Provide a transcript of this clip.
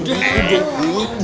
jangan di jodoh ani